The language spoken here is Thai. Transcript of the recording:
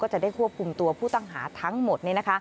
จะได้ควบคุมตัวผู้ต้องหาทั้งหมด